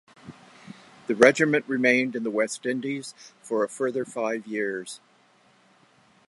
The regiment remained in the West Indies for a further five years.